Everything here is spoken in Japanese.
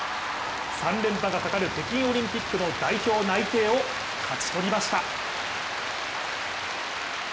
３連覇がかかる北京オリンピックの代表内定を勝ち取りました。